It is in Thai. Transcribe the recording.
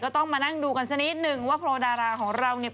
ต้องมานั่งดูกันสักนิดนึงว่าโพลดาราของเราเนี่ย